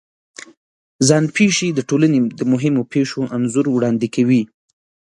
ځان پېښې د ټولنې د مهمو پېښو انځور وړاندې کوي.